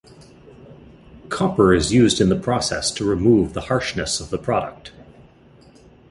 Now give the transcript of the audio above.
Copper is used in the process to remove the harshness of the product.